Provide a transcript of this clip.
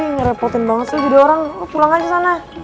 nge repotin banget sih lo jadi orang lo pulang aja sana